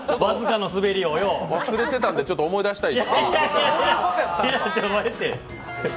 忘れてたんで、ちょっと思い出したい。